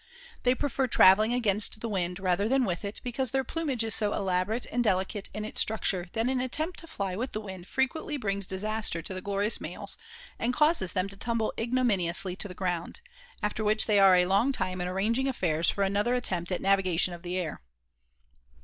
They prefer traveling against the wind rather than with it because their plumage is so elaborate and delicate in its structure that an attempt to fly with the wind frequently brings disaster to the glorious males and causes them to tumble ignominiously to the ground, after which they are a long time in arranging affairs for another attempt at navigation of the air.